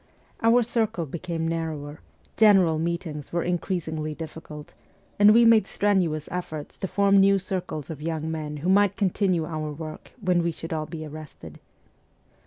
Our circle became narrower, general meetings were increasingly difficult, and we made strenuous efforts to form new circles of young men who might continue our work when we should all be arrested.